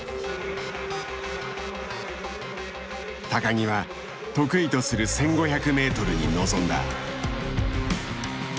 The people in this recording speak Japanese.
木は得意とする１５００ｍに臨んだ。